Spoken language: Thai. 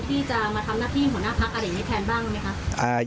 ที่จะมาทำนักที่หัวหน้าพักอเด่นให้แทนบ้างไหมครับ